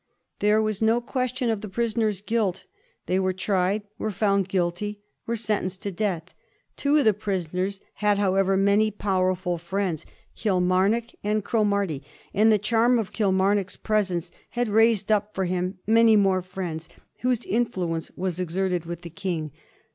There was no question of the prisoners' guilt; they were tried, were found guilty, were sentenced to death. Two of the prisoners had, however, many powerful friends — ^Kilmarnock and Cromarty; and the charm of Kilmarnock's presence had raised up for him many more friends, whose influence was exerted with the King.